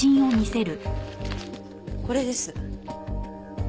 これです。